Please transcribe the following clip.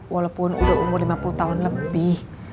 walaupun udah umur lima puluh tahun lebih